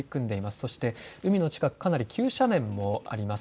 そして海の近く、かなり急斜面もあります。